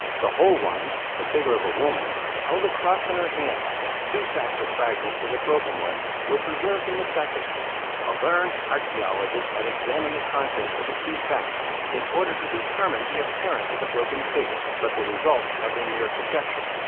The whole one, the figure of a woman, held a cross in her hand; two sacks of fragments of the broken one were preserved in the sacristy. A learned archæologist had examined the contents of the two sacks, in order to determine the appearance of the broken figure, but the result had been mere conjecture.